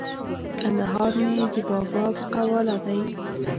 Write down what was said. کندهار مې د بابا په قواله دی!